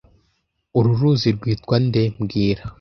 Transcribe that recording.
Uru ruzi rwitwa nde mbwira